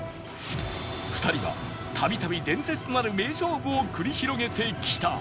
２人は度々伝説となる名勝負を繰り広げてきた